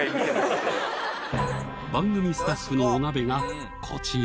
番組スタッフのお鍋がこちら